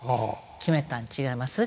決めたん違います？